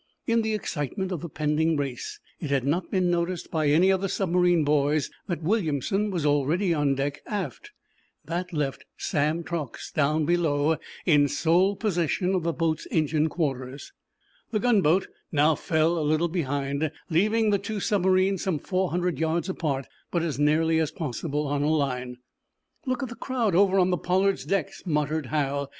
In the excitement of the pending race it had not been noticed by any of the submarine boys that Williamson was already on deck, aft. That left Sam Truax below in sole possession of the boat's engine quarters. The gunboat now fell a little behind, leaving the two submarines some four hundred yards apart, but as nearly as possible on a line. "Look at the crowd over on the 'Pollard's' decks," muttered Hal.